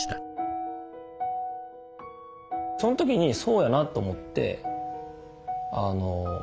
そん時にそうやなと思って。